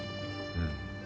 うん。